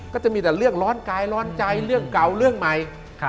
ก็จะมีแต่เรื่องร้อนกายร้อนใจเรื่องเก่าเรื่องใหม่